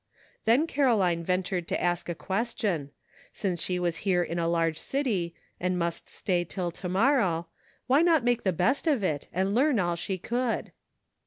Then Caroline ventured to ask a question ; since she was here in a large city and must stay till to morrow, why not make the best of it and learn all she could